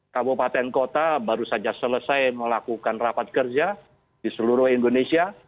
lima ratus tujuh belas kabupaten kota baru saja selesai melakukan rapat kerja di seluruh indonesia